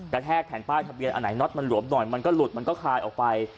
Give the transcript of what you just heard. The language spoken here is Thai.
แทกแผ่นป้ายทะเบียนอันไหนน็อตมันหลวมหน่อยมันก็หลุดมันก็คลายออกไป